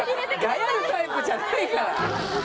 ガヤるタイプじゃないから。